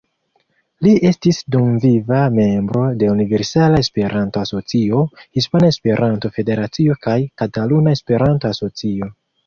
Li estis dumviva membro de Universala Esperanto-Asocio, Hispana Esperanto-Federacio kaj Kataluna Esperanto-Asocio.